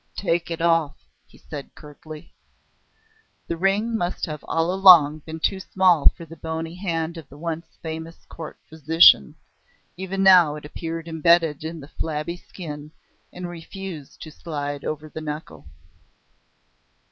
"Take it off," he said curtly. The ring must have all along been too small for the bony hand of the once famous Court physician. Even now it appeared embedded in the flabby skin and refused to slide over the knuckle.